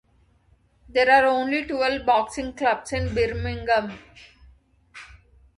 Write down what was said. There are twelve boxing clubs in Birmingham.